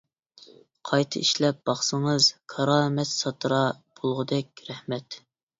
قايتا ئىشلەپ باقسىڭىز كارامەت ساتىرا بولغۇدەك رەھمەت!